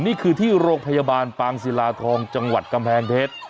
นี่คือที่โรงพยาบาลปางศิลาทองจังหวัดกำแพงเพชร